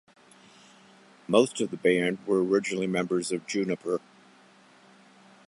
Most of the band were originally members of Juniper.